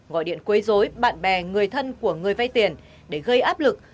gọi điện quấy dối bạn bè người thân của người vay tiền để gây áp lực